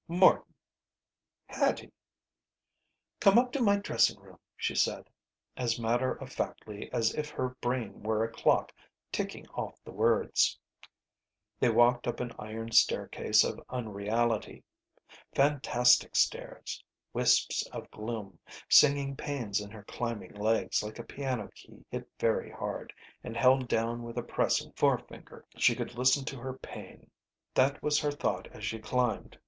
"Morton!" "Hattie." "Come up to my dressing room," she said, as matter of factly as if her brain were a clock ticking off the words. They walked up an iron staircase of unreality. Fantastic stairs. Wisps of gloom. Singing pains in her climbing legs like a piano key hit very hard and held down with a pressing forefinger. She could listen to her pain. That was her thought as she climbed.